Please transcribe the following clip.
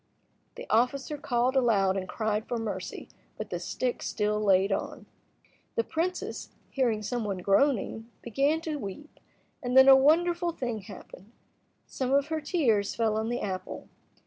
The officer called aloud and cried for mercy, but the stick still laid on. The princess, hearing some one groaning, began to weep, and then a wonderful thing happened. Some of her tears fell on the apple.